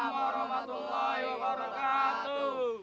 waalaikumsalam warahmatullahi wabarakatuh